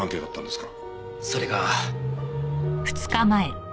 それが。